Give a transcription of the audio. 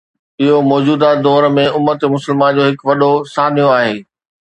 اهو موجوده دور ۾ امت مسلمه جو هڪ وڏو سانحو آهي